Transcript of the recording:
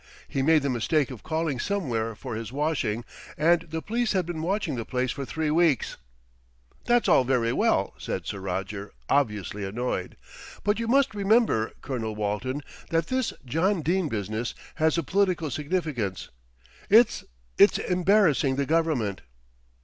He made the mistake of calling somewhere for his washing, and the police had been watching the place for three weeks." "That's all very well," said Sir Roger, obviously annoyed. "But you must remember, Colonel Walton, that this John Dene business has a political significance. It's it's embarrassing the Government."